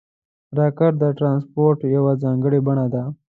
راکټ د ترانسپورټ یوه ځانګړې بڼه ده